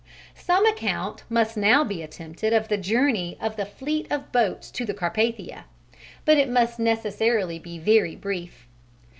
Some account must now be attempted of the journey of the fleet of boats to the Carpathia, but it must necessarily be very brief.